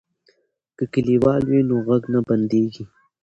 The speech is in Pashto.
که کلیوال وي نو غږ نه بندیږي.